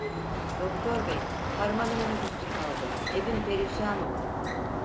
Doktor Bey, harmanım yüzüstü kaldı, evim perişan oldu.